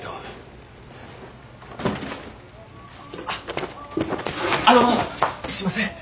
あっあのすいません。